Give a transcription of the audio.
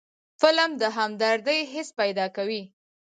فلم د همدردۍ حس پیدا کوي